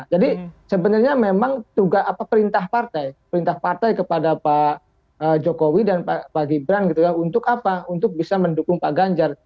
jadi sebenarnya memang tugas perintah partai perintah partai kepada pak jokowi dan pak gibran gitu ya untuk apa untuk bisa mendukung pak ganjar